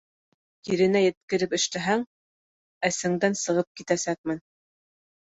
Еренә еткереп эшләһәң, әсеңдән сығып китәсәкмен.